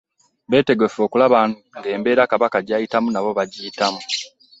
Beetegefu okulaba ng'embeera Kabaka gy'ayitamu nabo bagiyitamu